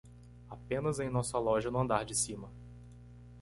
Apenas em nossa loja no andar de cima